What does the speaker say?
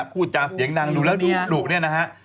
พูดจาเสียงดังดูแล้วดูดุเนี่ยนะฮะ